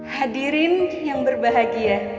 hadirin yang berbahagia